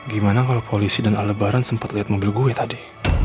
gimana kalo polisi dan alabaran sempet liat mobil gue tadi